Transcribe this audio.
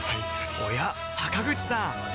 おや坂口さん